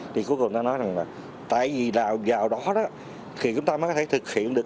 thì cuối cùng người ta nói rằng là tại vì vào đó thì chúng ta mới có thể thực hiện được